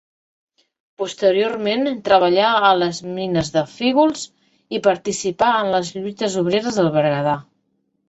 Posteriorment treballà a les mines de Fígols i participà en les lluites obreres del Berguedà.